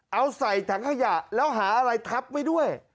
เอาใส่ถังขยะแล้วหาอะไรทับไว้ด้วย